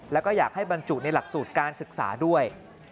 แล้วก็อยากให้บรรจุในหลักสูตรการศึกษาด้วย